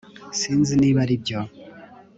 Sinzi niba aribyo